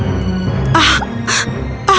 kau sudah siap